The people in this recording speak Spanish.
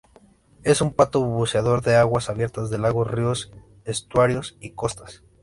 Es un pato buceador de aguas abiertas de lagos, ríos, estuarios y costas.